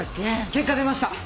結果出ました。